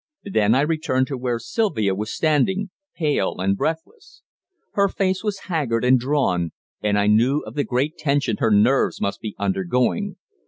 Then I returned to where Sylvia was standing pale and breathless. Her face was haggard and drawn, and I knew of the great tension her nerves must be undergoing.